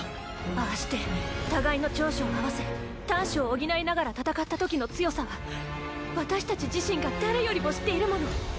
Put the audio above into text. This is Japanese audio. ああして互いの長所を合わせ短所を補いながら戦ったときの強さは私たち自身が誰よりも知っているもの。